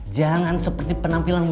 jangan seperti penampilanmu